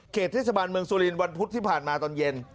เขตทฤษบาลเมืองซูลินวันพุธที่ผ่านมาตอนเย็น